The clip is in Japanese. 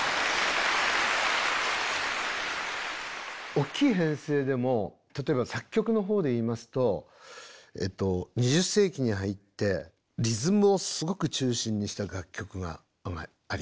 大きい編成でも例えば作曲のほうでいいますと２０世紀に入ってリズムをすごく中心にした楽曲があります。